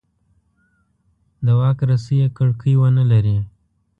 د واک رسۍ یې کړکۍ ونه لري.